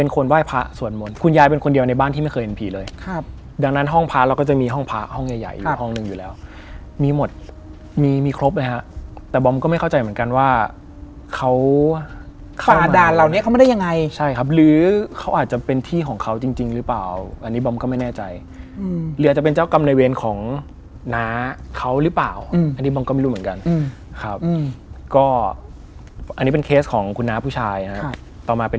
คนรุ่นใหม่อย่างนี้เลยนะคุณผู้ชม